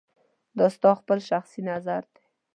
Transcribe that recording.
دا ستا خپل شخصي نظر دی